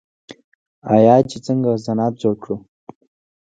آیا چې څنګه صنعت جوړ کړو؟